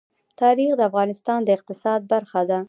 تاریخ د افغانستان د اقتصاد برخه ده.